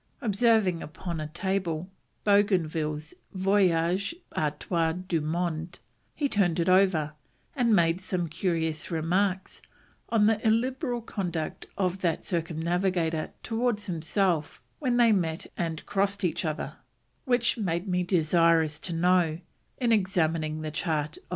Observing upon a table, Bougainville's Voyage Autour du Monde, he turned it over, and made some curious remarks on the illiberal conduct of that circumnavigator towards himself when they met and crossed each other; which made me desirous to know, in examining the chart of M.